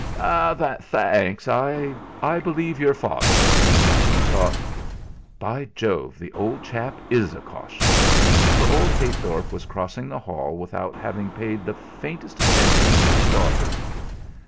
"Tha anks! I believe your father " And he thought: 'By Jove! the old chap is a caution!' For old Heythorp was crossing the hall without having paid the faintest attention to his daughter.